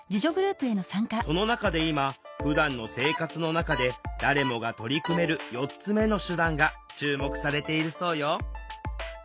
その中で今ふだんの生活の中で誰もが取り組める４つ目の手段が注目されているそうよ。